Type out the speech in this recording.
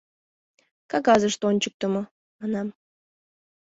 «Кагазыште ончыктымо», — манам.